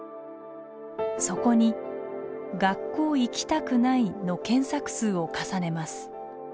そこに「学校行きたくない」の検索数を重ねます。